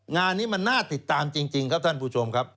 งานนี้มันน่าติดตามจริงครับท่านผู้ชมครับ